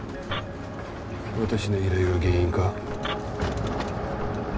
私の依頼が原因か？